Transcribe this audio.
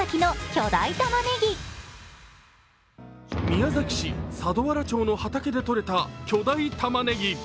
宮崎市佐土原町の畑でとれた巨大たまねぎ。